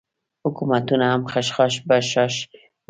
حکومتونه هم خشاش بشاش وو.